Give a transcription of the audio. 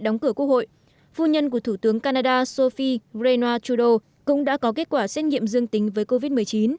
đóng cửa quốc hội phu nhân của thủ tướng canada sofi rena trudeau cũng đã có kết quả xét nghiệm dương tính với covid một mươi chín